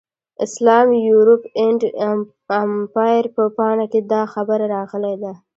اسلام، یورپ اینډ امپایر په پاڼه کې دا خبره راغلې ده.